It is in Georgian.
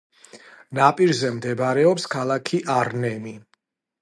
ნაპირზე მდებარეობს ქალაქი არნემი.